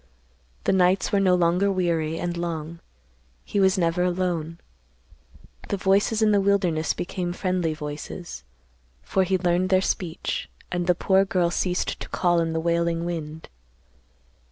The nights were no longer weary and long. He was never alone. The voices in the wilderness became friendly voices, for he learned their speech, and the poor girl ceased to call in the wailing wind.